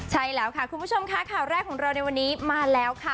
ใช่แล้วค่ะคุณผู้ชมค่ะข่าวแรกของเราในวันนี้มาแล้วค่ะ